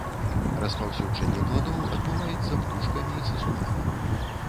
Распаўсюджанне пладоў адбываецца птушкамі і сысунамі.